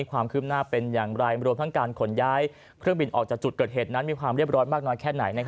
ความคืบหน้าเป็นอย่างไรรวมทั้งการขนย้ายเครื่องบินออกจากจุดเกิดเหตุนั้นมีความเรียบร้อยมากน้อยแค่ไหน